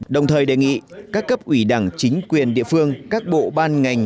đồng thời đề nghị các cấp ủy đảng chính quyền địa phương các bộ ban ngành